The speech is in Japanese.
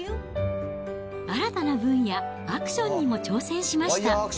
新たな分野、アクションにも挑戦しました。